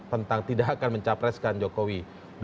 tentang tidak akan mencapreskan jokowi dua ribu sembilan belas